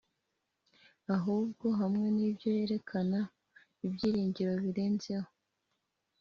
ahubwo hamwe n'ibyo yerekana ibyiringiro birenzeho